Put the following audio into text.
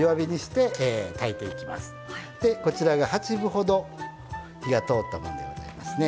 でこちらが八分ほど火が通ったもんでございますね。